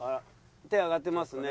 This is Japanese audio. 手挙がってますね。